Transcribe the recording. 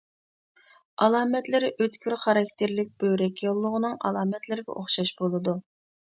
ئالامەتلىرى ئۆتكۈر خاراكتېرلىك بۆرەك ياللۇغىنىڭ ئالامەتلىرىگە ئوخشاش بولىدۇ.